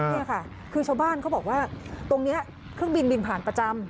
นี่ค่ะคือชาวบ้านเขาบอกว่าตรงนี้เครื่องบินบินผ่านประจำ